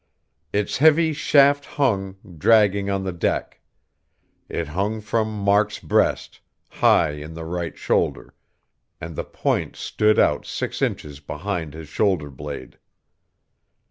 Its heavy shaft hung, dragging on the deck; it hung from Mark's breast, high in the right shoulder; and the point stood out six inches behind his shoulder blade.